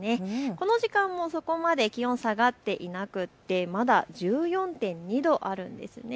この時間もそこまで気温、下がっていなくてまだ１４．２度あるんですね。